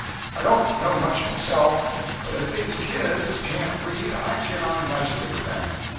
i dont no much myself, but as these kids cant read i get on nicely with them.